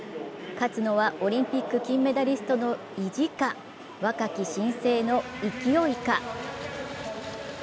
勝つのは、オリンピック金メダリストの意地か、若き新星の勢いか？